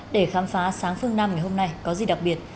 để khám phá sáng phương nam ngày hôm nay có gì đặc biệt